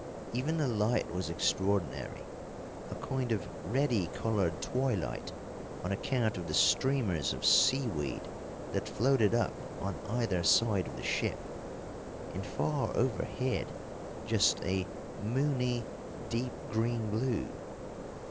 Even the light was extraordinary, a kind of reddy coloured twilight, on account of the streamers of seaweed that floated up on either side of the ship. And far overhead just a moony, deep green blue.